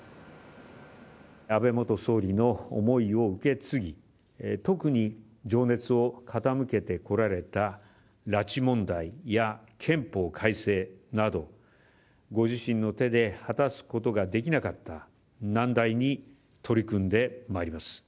安倍元総理の思いを受け継ぎ、特に情熱を傾けてこられた拉致問題や憲法改正など、ご自身の手で果たすことができなかった難題に取り組んでまいります。